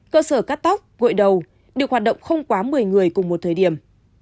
cơ sở cắt tóc gội đầu được hoạt động không quá một mươi người cùng một thời điểm